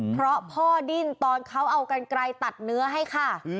เพราะพ่อดิ้นตอนเขาเอากันไกลตัดเนื้อให้ค่ะ